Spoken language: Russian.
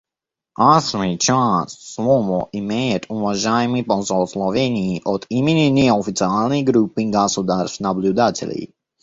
А сейчас слово имеет уважаемый посол Словении от имени неофициальной группы государств-наблюдателей.